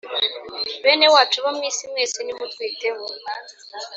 Bene wacu bo mu isi mwese nimutwiteho